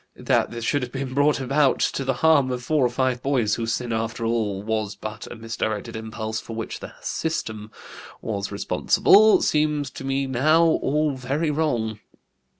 That this should have been brought about to the harm of four or five boys whose sin, after all, was but a misdirected impulse for which the system was responsible, seems to me now all very wrong.